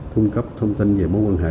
cung cấp thông tin về mối quan hệ